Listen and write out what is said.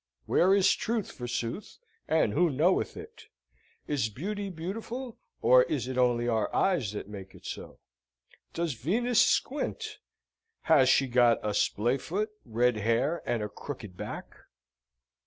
Where is truth, forsooth, and who knoweth it? Is Beauty beautiful, or is it only our eyes that make it so? Does Venus squint? Has she got a splay foot, red hair, and a crooked back?